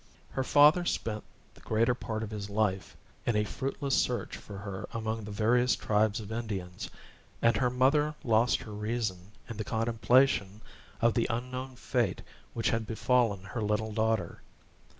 Her father spent the greater part of his life in a fruitless search for her among the various tribes of Indians; and her mother lost her reason in the contemplation of the unknown fate which had befallen her little daughter.